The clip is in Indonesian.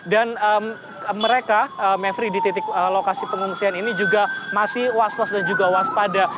dan mereka mavri di titik lokasi pengungsian ini juga masih was was dan juga waspada